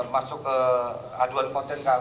masuk ke aduan konten kami